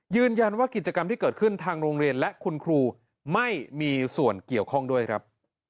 ยืนยันว่ากิจกรรมที่เกิดขึ้นทางโรงเรียนและคุณครูไม่มีส่วนเกี่ยวข้องด้วยครับ